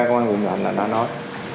công an quận thành đã nói